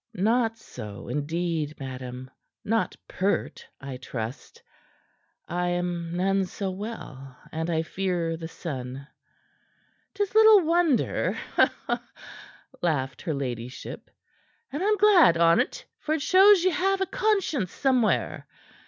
"Not so, indeed, madam. Not pert, I trust. I am none so well, and I fear the sun." "'Tis little wonder," laughed her ladyship; "and I'm glad on't, for it shows ye have a conscience somewhere.